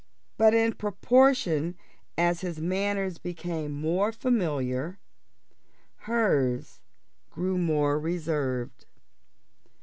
But in proportion as his manners became more familiar, hers grew more reserved.